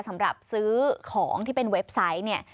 สำหรับซื้อของที่เป็นเว็บไซต์เนี่ย